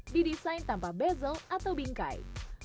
didesain tanpa bezel atau bingkai